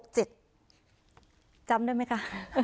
จำได้ไหมคะ